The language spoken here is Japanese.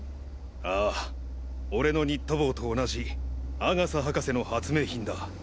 ああ俺のニット帽と同じ阿笠博士の発明品だ。